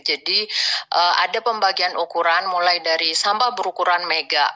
jadi ada pembagian ukuran mulai dari sampah berukuran mega